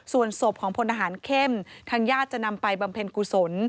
ส่วนศพของพลทหารเข้มทางญาติจะนำไปบำเพ็ญกุศล